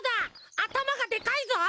あたまがでかいぞ！